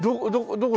どこ？